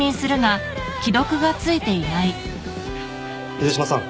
水島さん